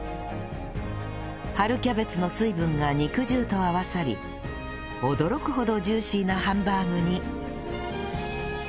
春キャベツの水分が肉汁と合わさり驚くほどジューシーなハンバーグに